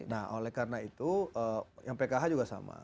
nah oleh karena itu yang pkh juga sama